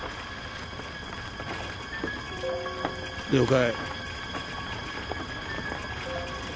了解。